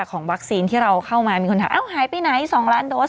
ของวัคซีนที่เราเข้ามามีคนถามหายไปไหน๒ล้านโดส